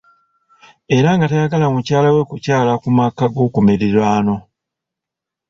Era nga tayagala mukyala we kukyaala mu maka g'okumirirwano.